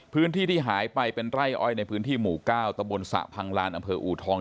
พื้นที่ที่หายไปเป็นไร่อ้อยในพื้นที่หมู่๙ตะบนสระพังลานอำเภออูทอง